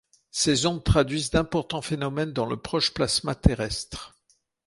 Ces ondes traduisent d’importants phénomènes dans le proche plasma terrestre.